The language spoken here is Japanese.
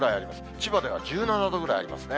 千葉では１７度ぐらいありますね。